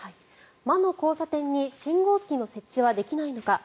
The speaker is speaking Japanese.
魔の交差点に信号機の設置はできないのか。